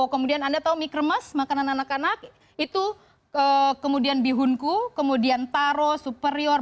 kemudian anda tahu mie kremes makanan anak anak itu kemudian bihunku kemudian taro superior